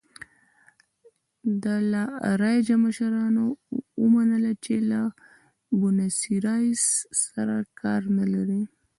د لا رایجا مشرانو ومنله چې له بونیسایرس سره کار نه لري.